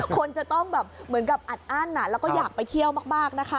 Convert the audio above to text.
คนจะต้องแบบเหมือนกับอัดอั้นแล้วก็อยากไปเที่ยวมากนะคะ